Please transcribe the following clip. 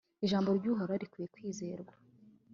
ijambo ry'uhoraho rikwiye kwizerwa